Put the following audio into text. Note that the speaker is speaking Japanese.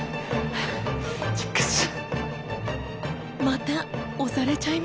はい。